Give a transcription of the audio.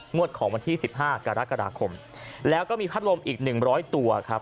งวดของวันที่สิบห้ากรกฎาคมแล้วก็มีพัดลมอีกหนึ่งร้อยตัวครับ